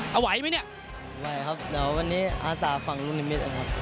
เอาไหวมั้ยเนี่ยเอาไหวครับแต่วันนี้อาสาฝังลูกนิมิตสิครับ